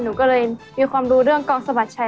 หนูก็เลยมีความรู้เรื่องกองสะบัดชัย